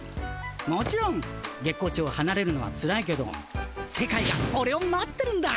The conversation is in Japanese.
もちろん月光町をはなれるのはつらいけど世界がオレを待ってるんだ。